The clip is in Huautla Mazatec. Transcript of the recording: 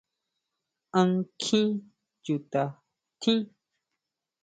¿A nkjin chuta tjín?